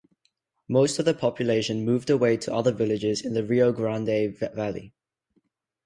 Most of the population moved away to other villages in the Rio Grande Valley.